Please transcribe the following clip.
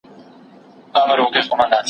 که زړه پاک وي نو کینه نه ساتي.